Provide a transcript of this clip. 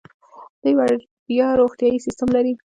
دوی وړیا روغتیايي سیستم لري.